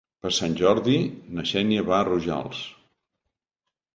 Per Sant Jordi na Xènia va a Rojals.